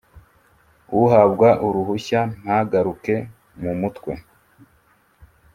Uhabwa uruhushya ntagaruke mu mutwe